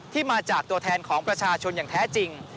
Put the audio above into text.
มาจากตัวแทนของประชาชนอย่างแท้จริง